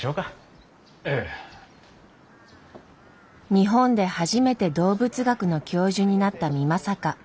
日本で初めて動物学の教授になった美作。